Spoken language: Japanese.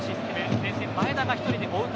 前線、前田が１人で追う形。